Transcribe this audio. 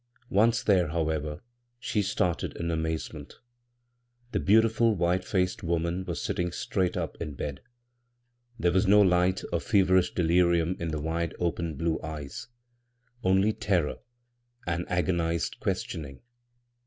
Once th^e, however, she started in amaze ment The beautiful white faced woman was sit ting straight up in bed. There was no light of feverish delirium in the wide open blue 55 bvGoog[c CROSS CURRENTS eyes, only terror and agonized questionii^.